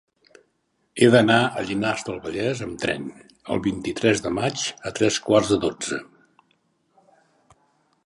He d'anar a Llinars del Vallès amb tren el vint-i-tres de maig a tres quarts de dotze.